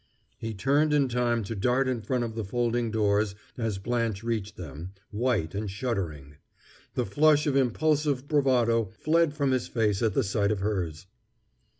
He turned in time to dart in front of the folding doors as Blanche reached them, white and shuddering. The flush of impulsive bravado fled from his face at the sight of hers.